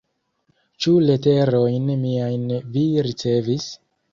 Ĉu leterojn miajn vi ricevis?